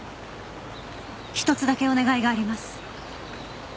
ひとつだけお願いがあります。